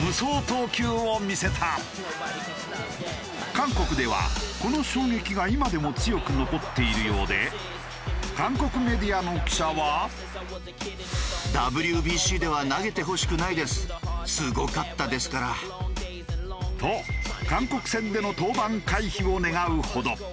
韓国ではこの衝撃が今でも強く残っているようで韓国メディアの記者は。と韓国戦での登板回避を願うほど。